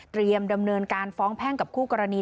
ดำเนินการฟ้องแพ่งกับคู่กรณี